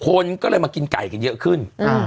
คนก็เลยมากินไก่กันเยอะขึ้น